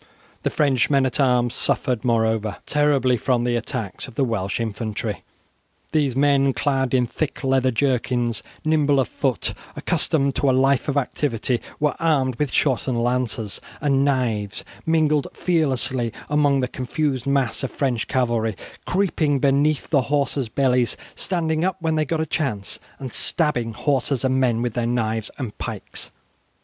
The French men at arms suffered, moreover, terribly from the attacks of the Welsh infantry. These men, clad in thick leather jerkins, nimble of foot, accustomed to a life of activity, were armed with shortened lances and knives, mingled fearlessly among the confused mass of French cavalry, creeping beneath the horses' bellies, standing up when they got a chance, and stabbing horses and men with their knives and pikes.